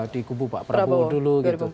di kubu pak prabowo dulu gitu